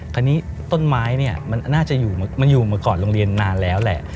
คราวนี้ต้นไม้น่าจะอยู่มันอยู่เมื่อก่อนโรงเรียนนานแล้วแหละ